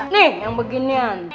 nih yang beginian